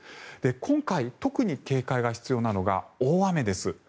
今回、特に警戒が必要なのが大雨です。